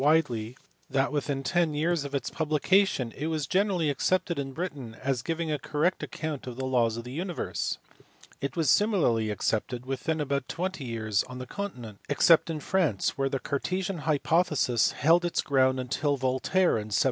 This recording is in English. widely) that within ten years of its publication it was gene rally accepted in Britain as giving a correct account of the laws of the universe; it was similarly accepted within about twenty years on the continent, except in France where the Cartesian hypothesis held its ground until Voltaire in 1738 took up the advocacy of the Newtonian theory.